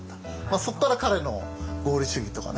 そこから彼の合理主義とかね